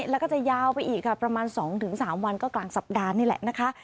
แล้วก็จะยาวไปอีกค่ะประมาณ๒๓วันก็กลางสัปดาห์นี่แหละนะคะ